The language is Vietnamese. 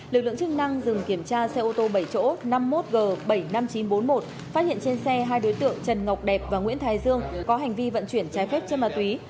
lực lượng chức năng dừng kiểm tra xe ô tô bảy chỗ năm mươi một g bảy mươi năm nghìn chín trăm bốn mươi một phát hiện trên xe hai đối tượng trần ngọc đẹp và nguyễn thái dương có hành vi vận chuyển trái phép chân ma túy